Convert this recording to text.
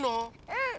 うん！